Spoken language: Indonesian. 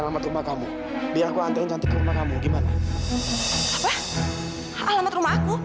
lukaku yuk kamar